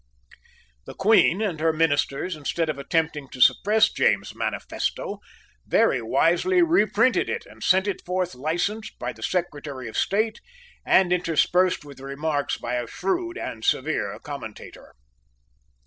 The Queen and her ministers, instead of attempting to suppress James's manifesto, very wisely reprinted it, and sent it forth licensed by the Secretary of State, and interspersed with remarks by a shrewd and severe commentator.